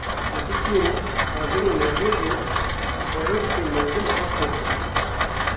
Li Bismilê agirê Newrozê bi pereşoke mezin hat pêxistin.